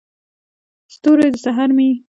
ستوری، د سحر مې یې